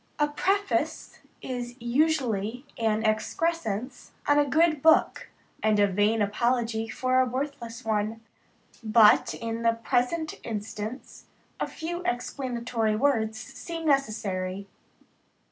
A preface is usually an excrescence on a good book, and a vain apology for a worthless one; but, in the present instance, a few explanatory words seem necessary.